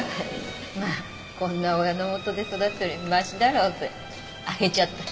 まあこんな親の元で育つよりマシだろうってあげちゃった。